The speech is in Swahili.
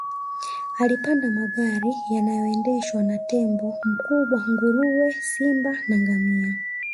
Alipanda magari yaliyoendeshwa na tembo mbwa nguruwe simba na ngamia